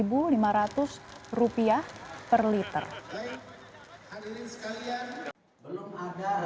belum ada rencana pemerintah